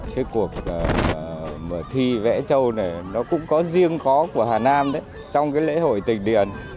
cái cuộc thi vẽ châu này nó cũng có riêng có của hà nam đấy trong cái lễ hội tịch điền